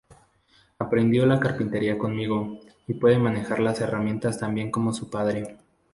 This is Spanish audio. Aprendió la carpintería conmigo y puede manejar las herramientas tan bien como su padre.